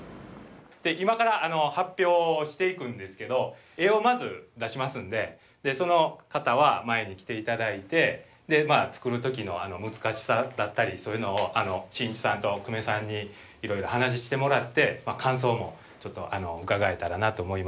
今から発表をしていくんですけど絵をまず出しますのでその方は前に来ていただいてで作るときの難しさだったりそういうのを新一さんと久米さんにいろいろ話してもらって感想もちょっと伺えたらなと思います。